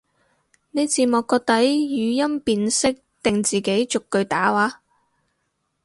你字幕個底語音辨識定自己逐句打話？